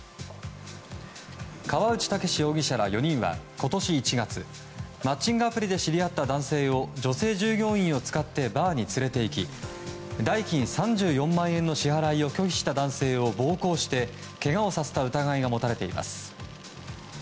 河内剛容疑者ら４人は今年１月マッチングアプリで知り合った男性を女性従業員を使ってバーに連れていき代金３４万円の支払いを拒否した男性を暴行してけがをさせた疑いが持たれています。